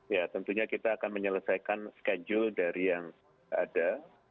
ya tentunya kita akan menyelesaikan schedule dari yang ada